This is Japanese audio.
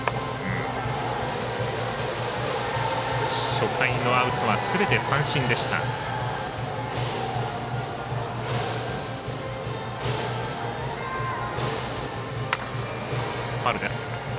初回のアウトはすべて三振でした。